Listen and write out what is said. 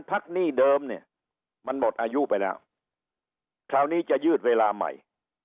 หนี้เดิมเนี่ยมันหมดอายุไปแล้วคราวนี้จะยืดเวลาใหม่